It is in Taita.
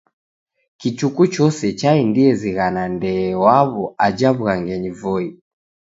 Kichuku chose chaendie zighana ndee waw'o aja w'ughangenyi Voi.